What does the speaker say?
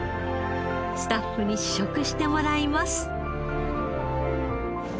スタッフに試食してもらいます。